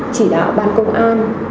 chỉ đạo ban công an